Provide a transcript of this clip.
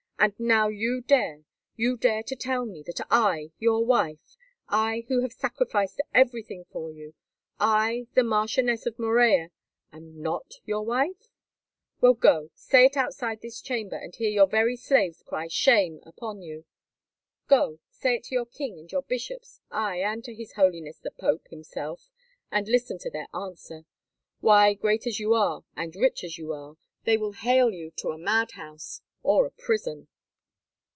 And now you dare—you dare to tell me, that I, your wife—I, who have sacrificed everything for you, I, the Marchioness of Morella, am not your wife. Well, go, say it outside this chamber, and hear your very slaves cry 'Shame' upon you. Go, say it to your king and your bishops, aye, and to his Holiness the Pope himself, and listen to their answer. Why, great as you are, and rich as you are, they will hale you to a mad house or a prison."